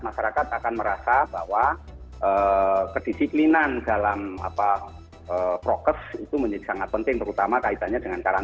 masyarakat akan merasa bahwa kedisiplinan dalam prokes itu menjadi sangat penting terutama kaitannya dengan karantina